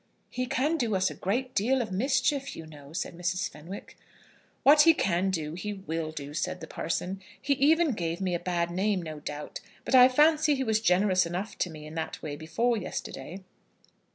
"He can do us a great deal of mischief, you know," said Mrs. Fenwick. "What he can do, he will do," said the parson. "He even gave me a bad name, no doubt; but I fancy he was generous enough to me in that way before yesterday.